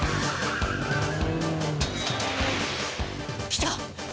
来た！